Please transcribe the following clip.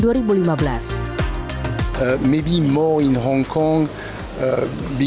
art basel menjadi sebuah hiburan seni